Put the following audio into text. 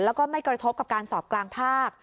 แล้วก็ไม่กระทบกับการสอบกลางภาค